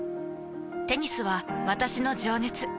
テニスは私の情熱。